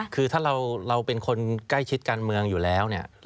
คือถ้าเราเป็นคนใกล้ชิดการเมืองอยู่แล้วเนี่ย